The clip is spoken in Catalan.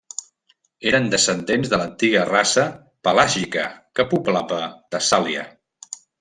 Eren descendents de l'antiga raça pelàsgica que poblava Tessàlia.